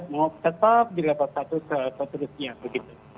mau tetap di level satu ke level berikutnya